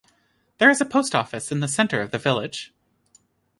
There is a post office in the centre of the village.